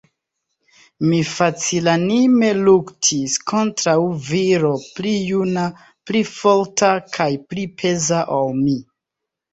Mi facilanime luktis kontraŭ viro pli juna, pli forta kaj pli peza ol mi.